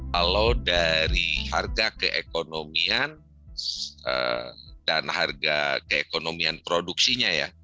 kalau dari harga keekonomian dan harga keekonomian produksinya ya